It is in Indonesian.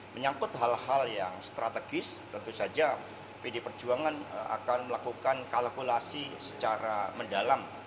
menyangkut hal hal yang strategis tentu saja pd perjuangan akan melakukan kalkulasi secara mendalam